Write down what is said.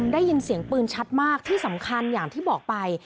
ได้ยินเสียงปืนชัดมากที่สำคัญอย่างที่บอกไป